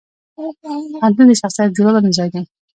پوهنتون د شخصیت جوړونې ځای دی.